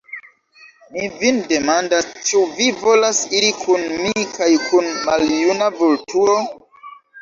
Mi vin demandas, ĉu vi volas iri kun mi kaj kun maljuna Vulturo?